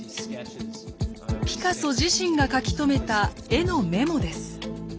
ピカソ自身が書き留めた絵のメモです。